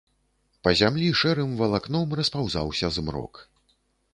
Па зямлі шэрым валакном распаўзаўся змрок.